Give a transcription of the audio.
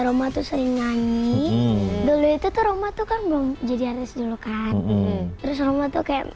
rumah tuh sering nyanyi dulu itu tuh rumah tuh kan belum jadi artis dulu kan terus rumah tuh kayak